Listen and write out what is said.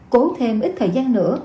cố thêm ít thời gian nữa